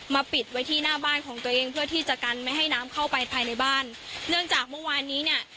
ปิดไว้ที่หน้าบ้านของตัวเองเพื่อที่จะกันไม่ให้น้ำเข้าไปภายในบ้านเนื่องจากเมื่อวานนี้เนี่ย